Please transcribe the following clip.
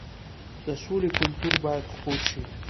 د سولې کلتور باید خپور شي.